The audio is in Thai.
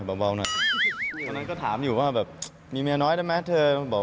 เพราะฉะนั้นก็ถามอยู่ว่าแบบมีเมียน้อยได้ไหมเธอ